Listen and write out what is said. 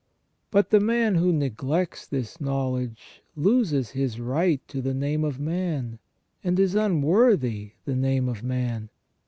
But the man who neglects this knowledge loses his right to the name of man, and is unworthy the name of man.